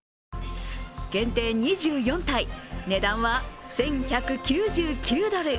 限定２４体、値段は１１９９ドル。